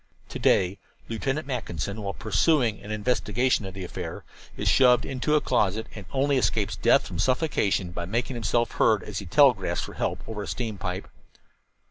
"To day Lieutenant Mackinson, while pursuing an investigation of the affair, is shoved into a closet and only escapes death from suffocation by making himself heard as he telegraphs for help over a steam pipe.